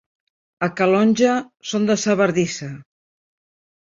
A Calonge són de sa bardissa.